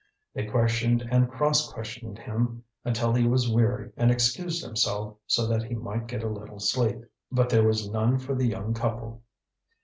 They questioned and cross questioned him until he was weary and excused himself so that he might get a little sleep. But there was none for the young couple.